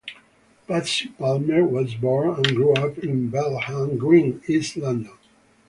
Patsy Palmer was born and grew up in Bethnal Green, East London.